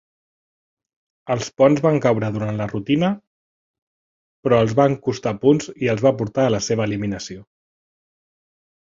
Els ponts van caure durant la rutina, però, els van costar punts i els va portar a la seva eliminació.